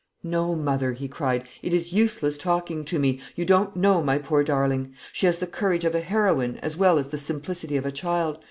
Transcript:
"No, mother!" he cried; "it is useless talking to me. You don't know my poor darling. She has the courage of a heroine, as well as the simplicity of a child.